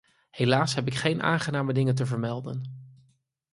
Helaas heb ik geen aangename dingen te vermelden.